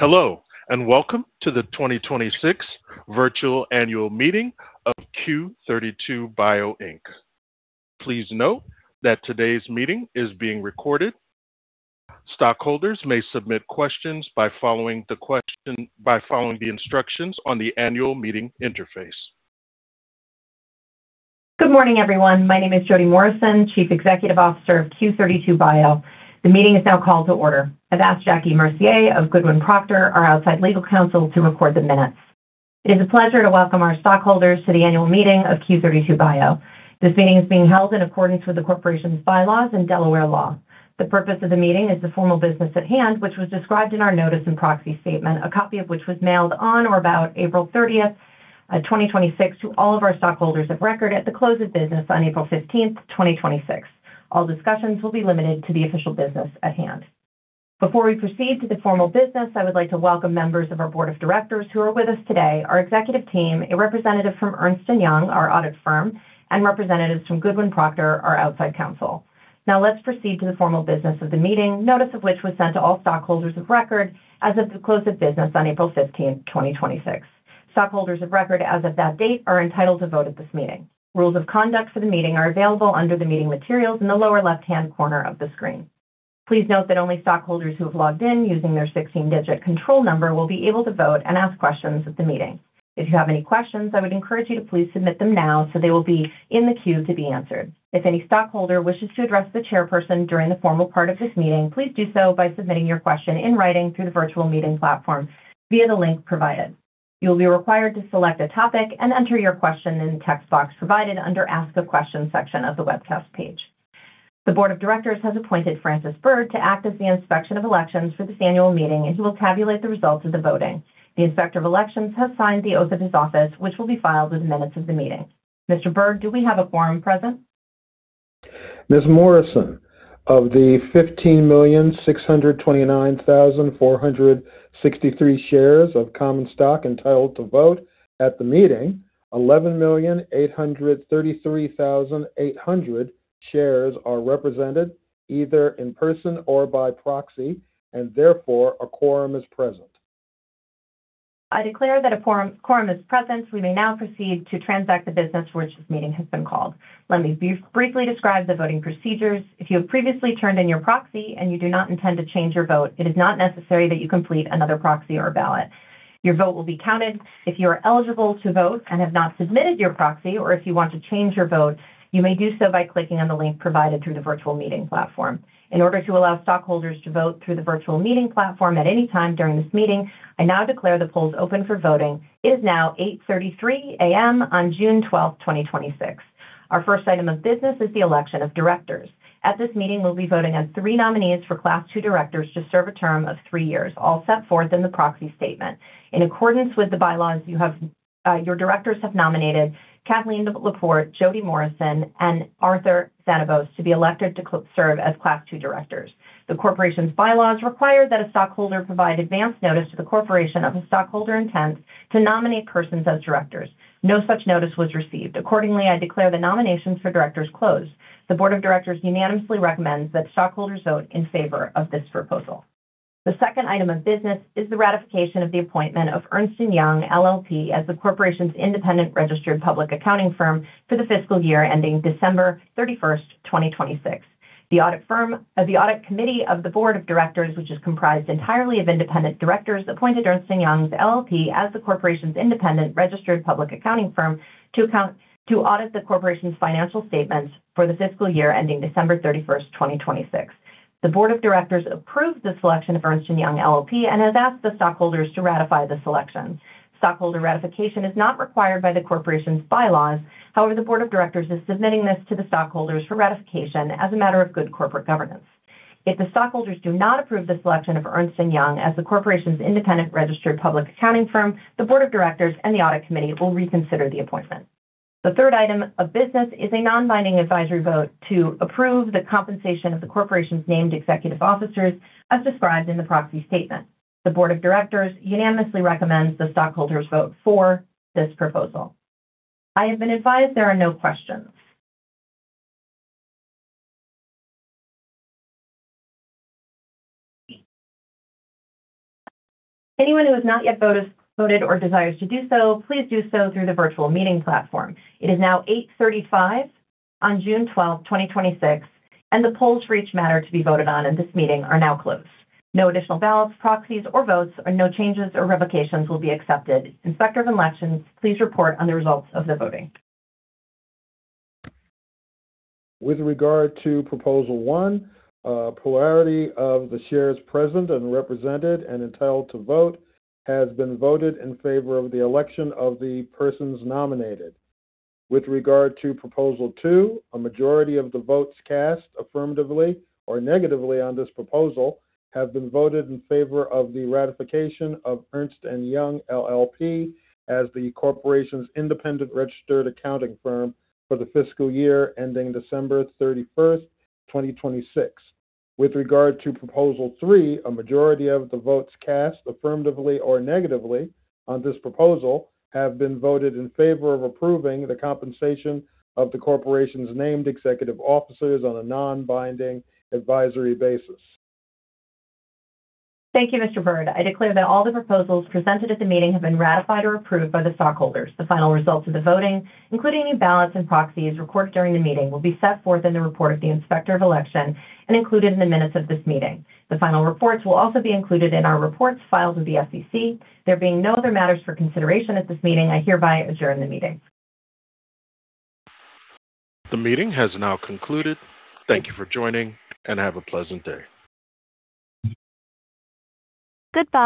Hello, and welcome to the 2026 virtual annual meeting of Q32 Bio, Inc. Please note that today's meeting is being recorded. Stockholders may submit questions by following the instructions on the annual meeting interface. Good morning, everyone. My name is Jodie Morrison, Chief Executive Officer of Q32 Bio. The meeting is now called to order. I've asked Jackie Mercier of Goodwin Procter, our outside legal counsel, to record the minutes. It is a pleasure to welcome our stockholders to the annual meeting of Q32 Bio. This meeting is being held in accordance with the corporation's bylaws and Delaware law. The purpose of the meeting is the formal business at hand, which was described in our notice and proxy statement, a copy of which was mailed on or about April 30th, 2026, to all of our stockholders of record at the close of business on April 15th, 2026. All discussions will be limited to the official business at hand. Before we proceed to the formal business, I would like to welcome members of our board of directors who are with us today, our executive team, a representative from Ernst & Young, our audit firm, and representatives from Goodwin Procter, our outside counsel. Now let's proceed to the formal business of the meeting, notice of which was sent to all stockholders of record as of the close of business on April 15th, 2026. Stockholders of record as of that date are entitled to vote at this meeting. Rules of conduct for the meeting are available under the meeting materials in the lower left-hand corner of the screen. Please note that only stockholders who have logged in using their 16-digit control number will be able to vote and ask questions at the meeting. If you have any questions, I would encourage you to please submit them now so they will be in the queue to be answered. If any stockholder wishes to address the chairperson during the formal part of this meeting, please do so by submitting your question in writing through the virtual meeting platform via the link provided. You'll be required to select a topic and enter your question in the text box provided under Ask a Question section of the webcast page. The board of directors has appointed Francis Byrd to act as the Inspector of Elections for this annual meeting. He will tabulate the results of the voting. The Inspector of Elections has signed the oath of his office, which will be filed with the minutes of the meeting. Mr. Byrd, do we have a quorum present? Ms. Morrison, of the 15,629,463 shares of common stock entitled to vote at the meeting, 11,833,800 shares are represented either in person or by proxy, and therefore, a quorum is present. I declare that a quorum is present. We may now proceed to transact the business for which this meeting has been called. Let me briefly describe the voting procedures. If you have previously turned in your proxy and you do not intend to change your vote, it is not necessary that you complete another proxy or a ballot. Your vote will be counted. If you are eligible to vote and have not submitted your proxy, or if you want to change your vote, you may do so by clicking on the link provided through the virtual meeting platform. In order to allow stockholders to vote through the virtual meeting platform at any time during this meeting, I now declare the polls open for voting. It is now 8:33 A.M. on June 12th, 2026. Our first item of business is the election of directors. At this meeting, we'll be voting on three nominees for Class II directors to serve a term of three years, all set forth in the proxy statement. In accordance with the bylaws, your directors have nominated Kathleen LaPorte, Jodie Morrison, and Arthur Tzianabos to be elected to serve as Class II directors. The corporation's bylaws require that a stockholder provide advance notice to the corporation of a stockholder intent to nominate persons as directors. No such notice was received. Accordingly, I declare the nominations for directors closed. The board of directors unanimously recommends that stockholders vote in favor of this proposal. The second item of business is the ratification of the appointment of Ernst & Young LLP as the corporation's independent registered public accounting firm for the fiscal year ending December 31st, 2026. The audit committee of the board of directors, which is comprised entirely of independent directors, appointed Ernst & Young LLP as the corporation's independent registered public accounting firm to audit the corporation's financial statements for the fiscal year ending December 31st, 2026. The board of directors approved the selection of Ernst & Young LLP and has asked the stockholders to ratify the selection. Stockholder ratification is not required by the corporation's bylaws. However, the board of directors is submitting this to the stockholders for ratification as a matter of good corporate governance. If the stockholders do not approve the selection of Ernst & Young as the corporation's independent registered public accounting firm, the board of directors and the audit committee will reconsider the appointment. The third item of business is a non-binding advisory vote to approve the compensation of the corporation's named executive officers as described in the proxy statement. The board of directors unanimously recommends the stockholders vote for this proposal. I have been advised there are no questions. Anyone who has not yet voted or desires to do so, please do so through the virtual meeting platform. It is now 8:35 A.M. on June 12th, 2026, and the polls for each matter to be voted on in this meeting are now closed. No additional ballots, proxies, or votes, or no changes or revocations will be accepted. Inspector of Elections, please report on the results of the voting. With regard to Proposal 1, a plurality of the shares present and represented and entitled to vote has been voted in favor of the election of the persons nominated. With regard to Proposal 2, a majority of the votes cast affirmatively or negatively on this proposal have been voted in favor of the ratification of Ernst & Young LLP as the corporation's independent registered accounting firm for the fiscal year ending December 31st, 2026. With regard to Proposal 3, a majority of the votes cast affirmatively or negatively on this proposal have been voted in favor of approving the compensation of the corporation's named executive officers on a non-binding advisory basis. Thank you, Mr. Byrd. I declare that all the proposals presented at the meeting have been ratified or approved by the stockholders. The final results of the voting, including any ballots and proxies recorded during the meeting, will be set forth in the report of the inspector of election and included in the minutes of this meeting. The final reports will also be included in our reports filed with the SEC. There being no other matters for consideration at this meeting, I hereby adjourn the meeting. The meeting has now concluded. Thank you for joining, have a pleasant day.